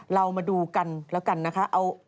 เรามาดูกันแล้วกันนะคะ